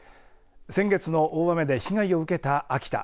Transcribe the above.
先月の大雨で被害を受けた秋田。